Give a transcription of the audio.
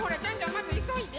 まずいそいで！